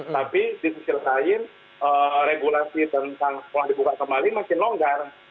tapi di sisi lain regulasi tentang sekolah dibuka kembali makin longgar